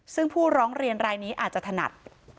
ซึ่งผู้ร้องเรียนรายนี้อาจจะถนัด